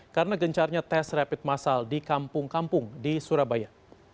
karena gencarnya tes rapid massal di kampung kampung di surabaya